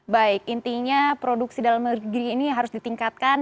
baik intinya produksi dalam negeri ini harus ditingkatkan